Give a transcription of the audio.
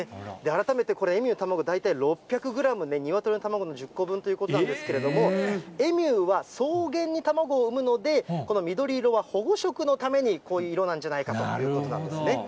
改めてこれ、エミューの卵、大体６００グラムね、鶏の卵の１０個分ということなんですけれども、エミューは草原に卵を産むので、この緑色は保護色のために、こういう色なんじゃないかということなんですね。